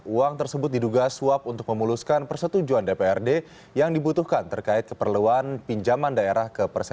uang tersebut diduga suap untuk memuluskan persetujuan dprd yang dibutuhkan terkait keperluan pinjaman daerah